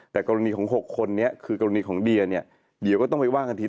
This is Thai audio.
แต่กรณีของ๖คนนี้คือกรณีของเดียเนี่ยเดี๋ยวก็ต้องไปว่ากันที